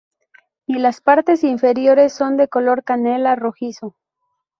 Y las partes inferiores son de color canela rojizo.